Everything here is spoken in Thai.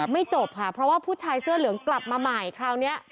จบค่ะเพราะว่าผู้ชายเสื้อเหลืองกลับมาใหม่คราวนี้